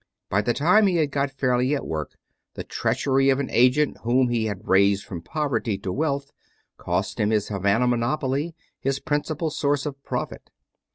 By the time he had got fairly at work the treachery of an agent whom he had raised from poverty to wealth lost him his Havana monopoly, his principal source of profit.